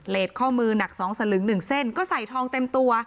เลสข้อมือนักสองสลึงหนึ่งเส้นก็ใส่ทองเต็มตัว